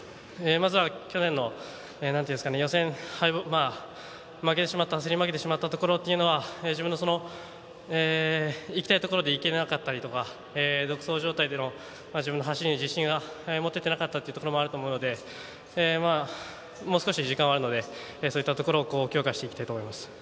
まずは去年競り負けてしまったところで自分の行きたいところで行けなかったりとか独走状態での自分の走りに自信が持てていなかったところもあると思うのでもう少し時間はあるのでそういったところを強化していきたいと思います。